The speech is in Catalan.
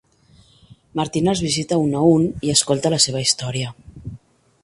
Martin els visita un a un i escolta la seva història.